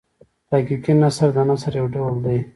تحقیقي نثر د نثر یو ډول دﺉ.